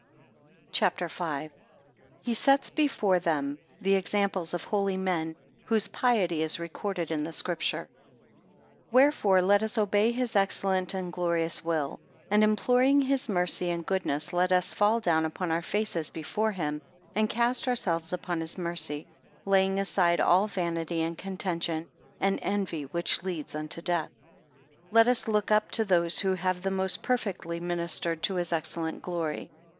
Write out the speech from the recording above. CHAPTER V. 1 He sets before them the examples of holy men, whose piety is recorded in the Scripture. WHEREFORE let us obey his excellent and glorious will; and imploring his mercy and goodness, let us fall down upon our faces before him, and cast ourselves upon his mercy; laying aside all vanity, and contention, and envy which leads unto death. 2 Let us look up to those who have the most perfectly ministered to his excellent glory.